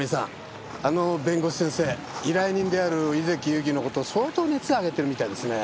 あの弁護士先生依頼人である井関ゆきの事相当熱上げてるみたいですね。